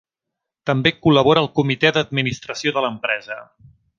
També col·labora al Comitè d'Administració de l'empresa.